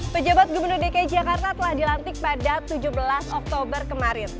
pejabat gubernur dki jakarta telah dilantik pada tujuh belas oktober kemarin